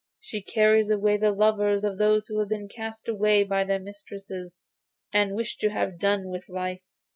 She carries off the lovers who have been cast away by their mistresses, and wish to have done with life.